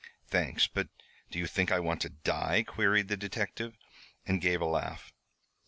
"Thanks, but do you think I want to die?" queried the detective, and gave a laugh.